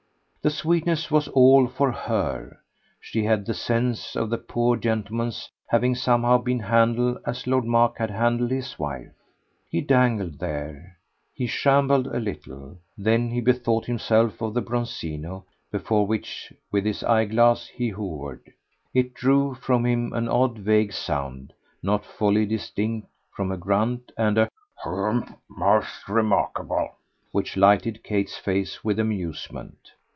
The sweetness was all for HER; she had the sense of the poor gentleman's having somehow been handled as Lord Mark had handled his wife. He dangled there, he shambled a little; then he bethought himself of the Bronzino, before which, with his eye glass, he hovered. It drew from him an odd vague sound, not wholly distinct from a grunt, and a "Humph most remarkable!" which lighted Kate's face with amusement.